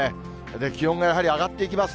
気温がやはり上がっていきます。